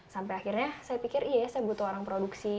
sampai akhirnya saya pikir iya saya butuh orang produksi